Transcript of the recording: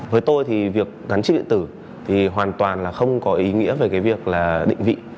với tôi thì việc gắn chiếc điện tử thì hoàn toàn là không có ý nghĩa về cái việc là định vị